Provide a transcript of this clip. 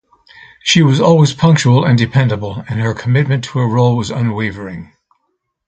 She was always punctual and dependable, and her commitment to her role was unwavering.